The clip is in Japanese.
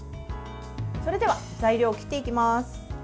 それでは、材料を切っていきます。